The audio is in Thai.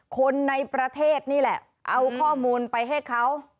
คนในประเทศนี่แหละเอาข้อมูลไปให้เขา